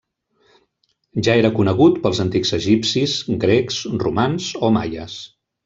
Ja era conegut pels antics egipcis, grecs, romans o maies.